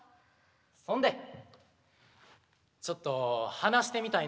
そんでちょっと話してみたいなって思ったん。